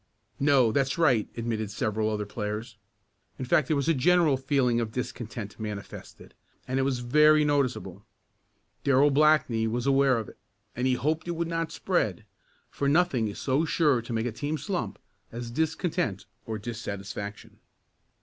"No, that's right," admitted several other players. In fact there was a general feeling of discontent manifested, and it was very noticeable. Darrell Blackney was aware of it, and he hoped it would not spread, for nothing is so sure to make a team slump as discontent or dissatisfaction.